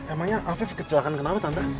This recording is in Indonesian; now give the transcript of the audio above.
emangnya alfif kecelakaan kenapa tante